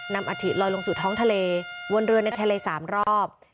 อัฐิลอยลงสู่ท้องทะเลวนเรือในทะเล๓รอบ